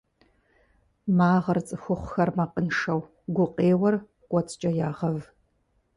Магъыр цӏыхухъухэр макъыншэу, гукъеуэр кӏуэцӏкӏэ ягъэв.